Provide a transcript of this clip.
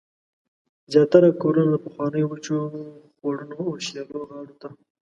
زیاتره کورونه د پخوانیو وچو خوړونو او شیلو غاړو ته